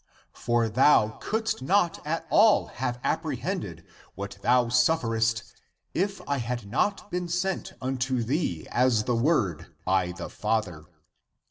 For thou couldst not at all have apprehended what thou sufferest if I had not been sent unto thee as the Word by the Father.